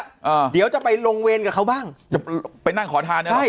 อ่าเดี๋ยวจะไปลงเวรกับเขาบ้างจะไปนั่งขอทานอะไร